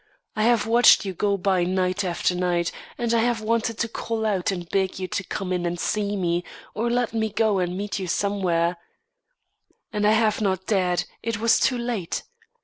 I have watched you go by night after night, and I have wanted to call out and beg you to come in and see me, or let me go and meet you somewhere, and I have not dared, it was so late.